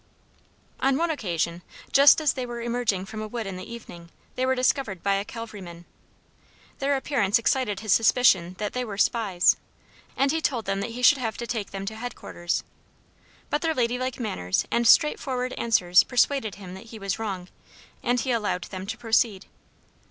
On one occasion, just as they were emerging from a wood in the evening, they were discovered by a cavalryman. Their appearance excited his suspicions that they were spies, and he told them that he should have to take them to headquarters. But their lady like manners and straightforward answers persuaded him that he was wrong, and he allowed them to proceed.